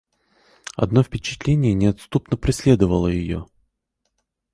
Одно впечатление неотступно преследовало ее.